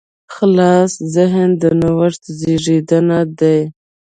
خلاص ذهن د نوښت زېږنده دی.